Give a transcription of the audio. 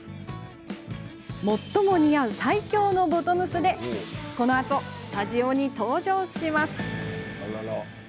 最も似合う最強のボトムスでスタジオに登場です。